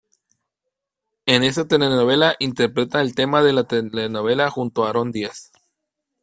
En esta telenovela interpreta el tema de la telenovela junto a Aarón Díaz.